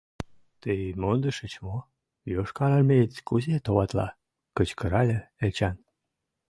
— Тый мондышыч мо, йошкарармеец кузе товатла? — кычкырале Эчан.